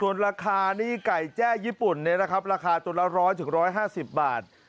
ส่วนราคานี่ไก่แจ้ญี่ปุ่นเนี่ยนะครับราคาตัวละ๑๐๐๑๕๐บาท